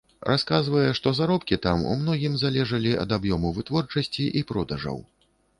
Расказвае, што заробкі там у многім залежалі ад аб'ёму вытворчасці і продажаў.